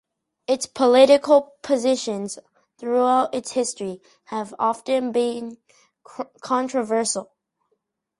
Its political positions throughout its history have often been controversial.